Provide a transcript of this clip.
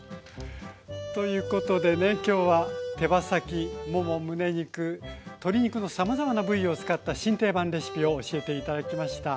ということでね今日は手羽先ももむね肉鶏肉のさまざまな部位を使った新定番レシピを教えて頂きました。